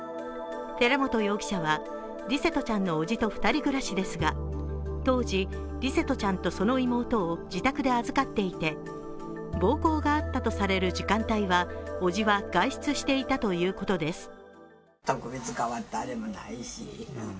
寺本容疑者は琉聖翔ちゃんのおじと２人暮らしですが、当時、琉聖翔ちゃんとその妹を自宅で預かっていて暴行があったとされる時間帯は叔父は外出していたということです。